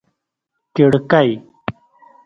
کړکۍ